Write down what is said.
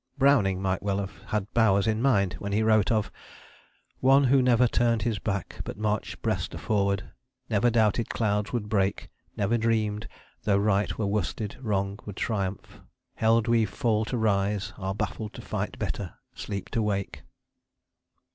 Browning might well have had Bowers in mind when he wrote of One who never turned his back, but marched breast forward; Never doubted clouds would break; Never dreamed, though right were worsted, wrong would triumph; Held we fall to rise, are baffled to fight better, Sleep to wake.